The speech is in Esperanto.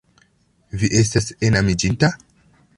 Vi estas enamiĝinta?